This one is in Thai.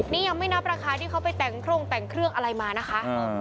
นี่ยังไม่นับราคาที่เขาไปแต่งโครงแต่งเครื่องอะไรมานะคะ